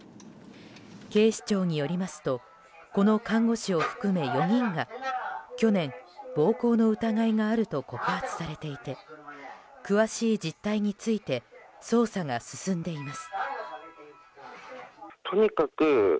警視庁によりますとこの看護師を含め４人が去年、暴行の疑いがあると告発されていて詳しい実態について捜査が進んでいます。